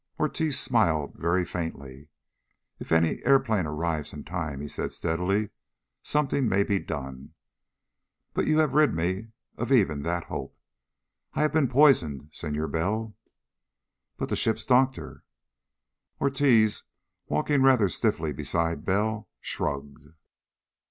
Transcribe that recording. Ortiz smiled very faintly. "If any airplane arrives in time," he said steadily, "something may be done. But you have rid me of even that hope. I have been poisoned, Senor Bell." "But the ship's doctor...." Ortiz, walking rather stiffly beside Bell, shrugged.